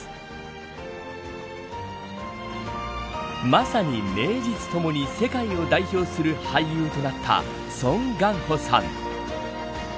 まさに名実ともに世界を代表する俳優となったソン・ガンホさん。